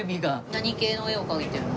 何系の絵を描いてるの？